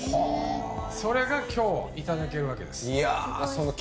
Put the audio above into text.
それが今日、いただけるわけです。